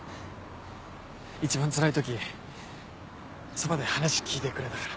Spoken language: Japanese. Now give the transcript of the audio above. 一番つらい時そばで話聞いてくれたから。